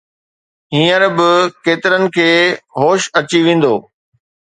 هينئر به ڪيترن کي هوش اچي ويندو